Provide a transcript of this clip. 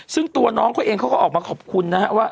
ซึ่งตัวน้องเขาเองเขาก็ออกมาขอบคุณนะฮะว่า